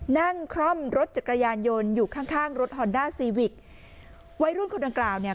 คร่อมรถจักรยานยนต์อยู่ข้างข้างรถฮอนด้าซีวิกวัยรุ่นคนดังกล่าวเนี่ย